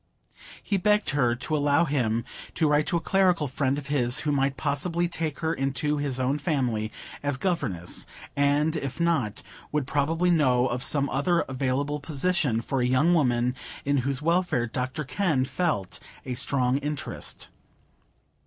He begged her to allow him to write to a clerical friend of his, who might possibly take her into his own family as governess; and, if not, would probably know of some other available position for a young woman in whose welfare Dr Kenn felt a strong interest.